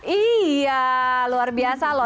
iya luar biasa loh